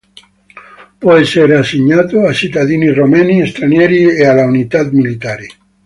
Può essere assegnato a cittadini romeni, stranieri e alle unità militari.